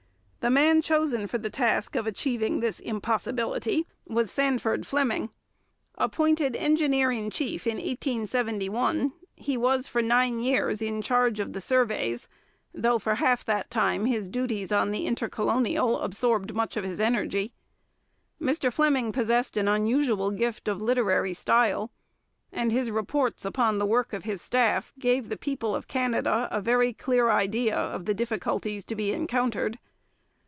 The man chosen for the task of achieving this impossibility was Sandford Fleming. Appointed engineer in chief in 1871, he was for nine years in charge of the surveys, though for half that time his duties on the Intercolonial absorbed much of his energy. Mr Fleming possessed an unusual gift of literary style, and his reports upon the work of his staff gave the people of Canada a very clear idea of the difficulties to be encountered.